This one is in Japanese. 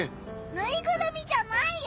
ぬいぐるみじゃないよ。